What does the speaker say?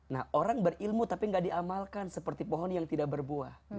nah orang berilmu tapi gak diamalkan seperti pohon yang tidak berbuah